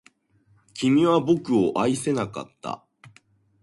君は僕を愛せなかった